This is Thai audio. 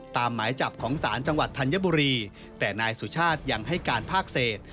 หมายจับของศาลจังหวัดธัญบุรีแต่นายสุชาติยังให้การภาคเศษ